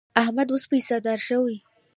احمد اوس پیسهدار شوی.